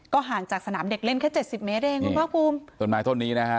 ห่างจากสนามเด็กเล่นแค่เจ็ดสิบเมตรเองคุณภาคภูมิต้นไม้ต้นนี้นะฮะ